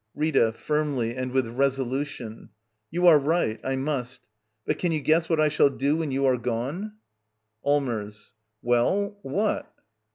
Rita. [Firmly and with resolution.] You are right. I must. But can you guess what I shall do — when you are gone? Allmers. Well, what?